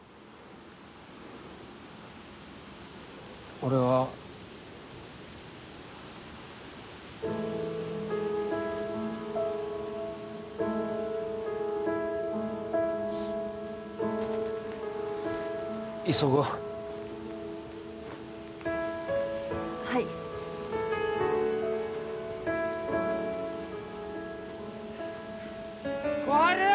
俺は急ごうはい小春！